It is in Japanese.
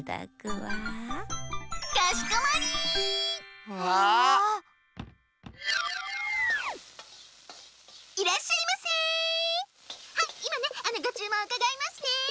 はいいまねごちゅうもんうかがいますね！